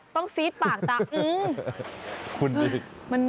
ต้องซี๊ดปากตะ